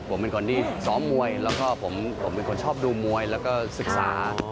ผมเป็นคนที่ซ้อมมวยแล้วก็ผมเป็นคนชอบดูมวยแล้วก็ศึกษา